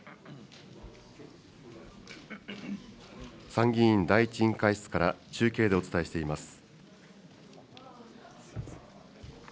参議院第１委員会室から中継でお伝えしています。